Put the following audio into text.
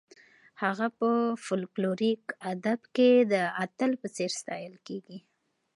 هغه په فولکلوریک ادب کې د اتل په څېر ستایل کیږي.